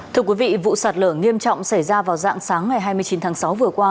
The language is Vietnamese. thưa quý vị vụ sạt lở nghiêm trọng xảy ra vào dạng sáng ngày hai mươi chín tháng sáu vừa qua